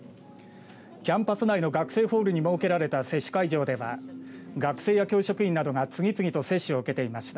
キャンパス内の学生ホールに設けられた接種会場では学生や教職員などが次々と接種を受けていました。